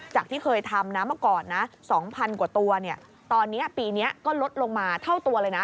ที่เคยทำนะมาก่อนนะ๒๐๐กว่าตัวตอนนี้ปีนี้ก็ลดลงมาเท่าตัวเลยนะ